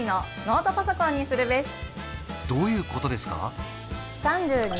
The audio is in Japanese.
どういうことですか？